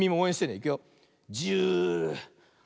いくよ。